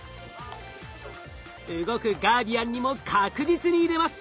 動くガーディアンにも確実に入れます。